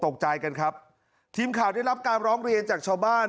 ตกใจกันครับทีมข่าวได้รับการร้องเรียนจากชาวบ้าน